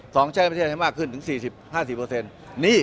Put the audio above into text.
ส่องใช้แนวประเทศน้อยมากขึ้นถึงสี่สิบห้าสี่เปอร์เซ็นต์นี่